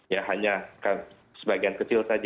ya hanya sebagian kecil saja